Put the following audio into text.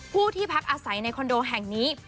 ผู้ที่พักอาศัยในคอนโดแห่งนี้